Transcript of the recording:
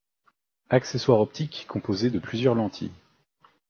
Accessoire optique composé de plusieurs lentilles.